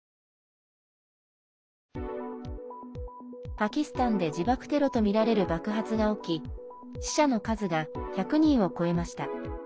パキスタンで自爆テロとみられる爆発が起き死者の数が１００人を超えました。